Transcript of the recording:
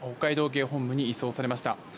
警本部に移送されました。